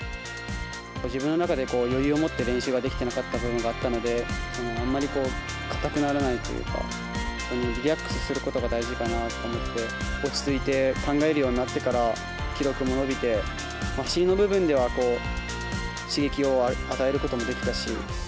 自分の中でこう、余裕を持って練習ができていなかった部分があったので、あんまり硬くならないというか、リラックスすることが大事かなと思って、落ち着いて考えるようになってから記録も伸びて、走りの部分では、刺激を与えることもできたし。